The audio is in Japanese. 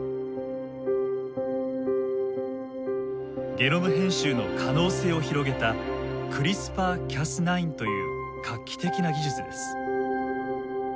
ゲノム編集の可能性を広げたクリスパー・キャス９という画期的な技術です。